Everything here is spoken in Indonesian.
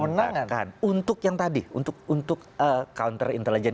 berantakan untuk yang tadi untuk counter intelijen